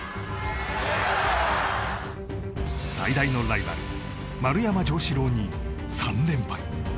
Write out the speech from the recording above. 最大のライバル、丸山城志郎に３連敗。